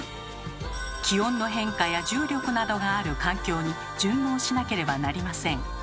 「気温の変化」や「重力」などがある環境に順応しなければなりません。